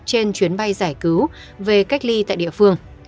trên chuyến bay giải cứu về cách ly tại địa phương